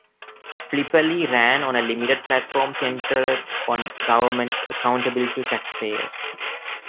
Filippelli ran on a limited platform centred on government accountability to taxpayers.